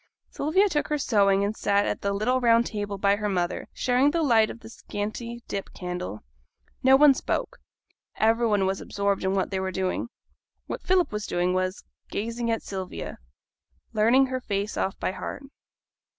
Sylvia took her sewing and sat at the little round table by her mother, sharing the light of the scanty dip candle. No one spoke. Every one was absorbed in what they were doing. What Philip was doing was, gazing at Sylvia learning her face off by heart.